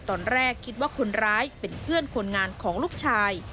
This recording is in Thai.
ตอนแรกคิดว่าคนร้ายเป็นเพื่อนคนงานของลูกชาย